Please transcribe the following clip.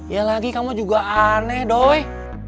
ya lagi kamu juga aneh doy